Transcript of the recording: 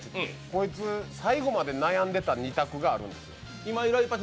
こいつ、最後まで悩んでた２択があるんですよ。